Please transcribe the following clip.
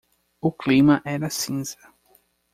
O clima era cinza.